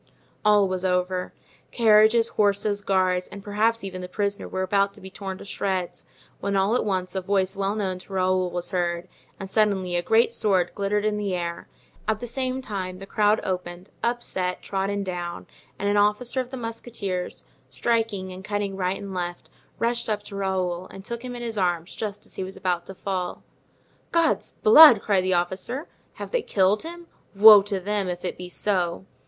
All was over; carriages, horses, guards, and perhaps even the prisoner were about to be torn to shreds, when all at once a voice well known to Raoul was heard, and suddenly a great sword glittered in the air; at the same time the crowd opened, upset, trodden down, and an officer of the musketeers, striking and cutting right and left, rushed up to Raoul and took him in his arms just as he was about to fall. "God's blood!" cried the officer, "have they killed him? Woe to them if it be so!"